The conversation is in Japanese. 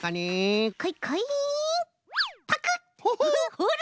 ほら！